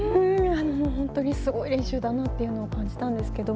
本当にすごい練習だなと感じたんですけど